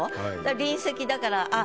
「隣席」だからあっ